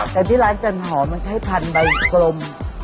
แต่ที่ร้านจันหอมมันใช้พันธุ์ใบกลม